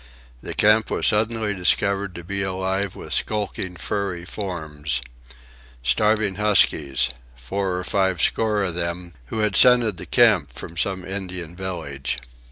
The camp was suddenly discovered to be alive with skulking furry forms,—starving huskies, four or five score of them, who had scented the camp from some Indian village.